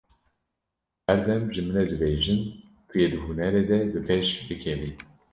Her dem ji min re dibêjin tu yê di hunerê de, bi pêş bikevî.